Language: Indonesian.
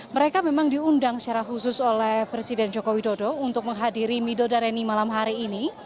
mereka memang diundang secara khusus oleh presiden joko widodo untuk menghadiri midodareni malam hari ini